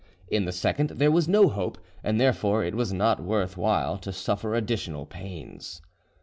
In the second, there was no hope, and therefore it was not worth while to suffer additional pains.